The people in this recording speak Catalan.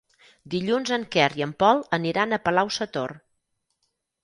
Dilluns en Quer i en Pol aniran a Palau-sator.